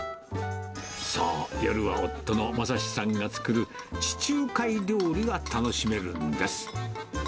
そう、夜は夫の昌史さんが作る地中海料理が楽しめるんです。